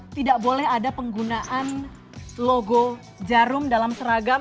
tidak boleh ada penggunaan logo jarum dalam seragam